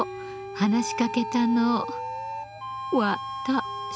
話しかけたのわ・た・し。